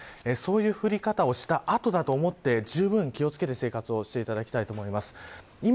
そういう降り方をした後だと思って、じゅうぶん気を付けて生活をしていただきたいと思います。